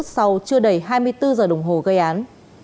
sau chưa đầy hai mươi bốn giờ đồng hồ gây án